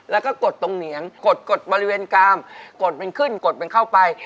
แล้วก็กดตรงเหนียงกดกดบริเวณกามกดมันขึ้นกดมันเข้าไป